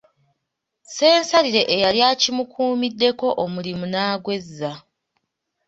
Ssensalire eyali akimukuumiddeko omulimu n’agwezza.